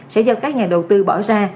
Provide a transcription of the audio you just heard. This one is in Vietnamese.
sẽ do các nhà đầu tư bỏ ra